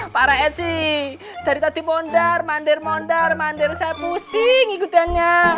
pak rek sih dari tadi mondar mandir mondar mandir saya pusing ikutannya